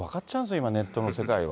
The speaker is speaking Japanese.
今、ネットの世界は。